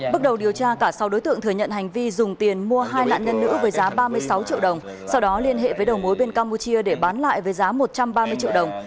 bước đầu điều tra cả sáu đối tượng thừa nhận hành vi dùng tiền mua hai nạn nhân nữ với giá ba mươi sáu triệu đồng sau đó liên hệ với đầu mối bên campuchia để bán lại với giá một trăm ba mươi triệu đồng